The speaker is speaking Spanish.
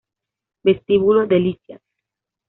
Vestíbulo Delicias